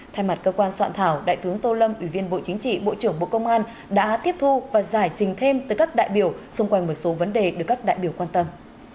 thay mặt cơ quan soạn thảo đại tướng tô lâm ủy viên bộ chính trị bộ trưởng bộ công an đã tiếp thu và giải trình thêm tới các đại biểu xung quanh một số vấn đề được các đại biểu quan tâm